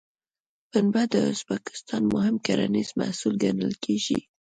پنبه د ازبکستان مهم کرنیز محصول ګڼل کېږي.